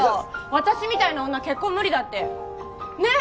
私みたいな女結婚無理だってねえ？